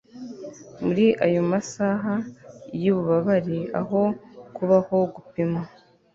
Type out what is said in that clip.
muri ayo masaha yububabare aho kubaho gupima